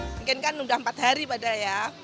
mungkin kan sudah empat hari padahal ya